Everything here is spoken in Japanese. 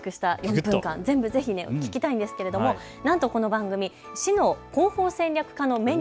全部ぜひ聞きたいんですけれどもなんとこの番組、市の広報戦略